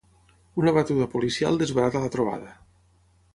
Una batuda policial desbarata la trobada.